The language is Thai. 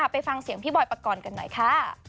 ไปฟังเสียงพี่บอยปกรณ์กันหน่อยค่ะ